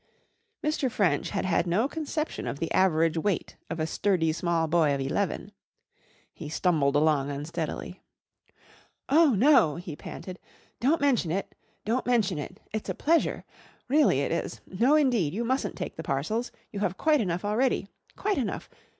Mr. French had had no conception of the average weight of a sturdy small boy of eleven. He stumbled along unsteadily. "Oh, no," he panted. "Don't mention it don't mention it. It's a pleasure really it is. No, indeed you mustn't take the parcels. You have quite enough already. Quite enough.